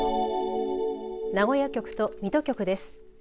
名古屋局と水戸局です。